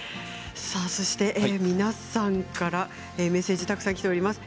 そして皆さんからメッセージたくさんきています。